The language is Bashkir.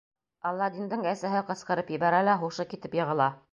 Аладдиндың әсәһе ҡысҡырып ебәрә лә һушы китеп йығыла.